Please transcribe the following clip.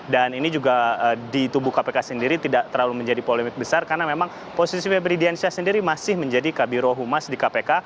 dan ini juga di tubuh kpk sendiri tidak terlalu menjadi polemik besar karena memang posisi febri diansyah sendiri masih menjadi kabiro humas di kpk